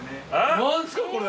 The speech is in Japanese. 何すかこれ！